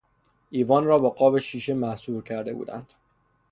ایوان را با قاب شیشه محصور کرده بودند.